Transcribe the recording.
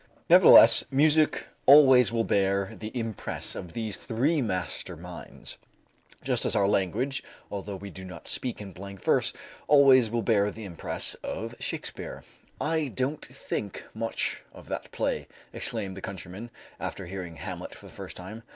Nevertheless, music always will bear the impress of these three master minds, just as our language, although we do not speak in blank verse, always will bear the impress of Shakespeare. "I don't think much of that play," exclaimed the countryman, after hearing "Hamlet" for the first time.